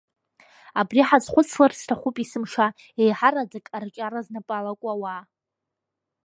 Абри ҳазхәыцларц сҭахуп есымша, еиҳараӡак арҿиара знапы алаку ауаа.